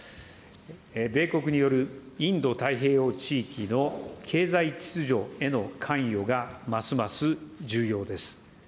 米国によるインド太平洋地域の経済秩序への関与がますます重要です。